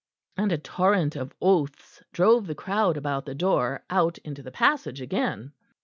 And a torrent of oaths drove the crowd about the door out into the passage again.